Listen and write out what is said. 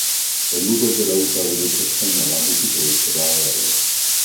El líder de la ultraderecha española visitó Israel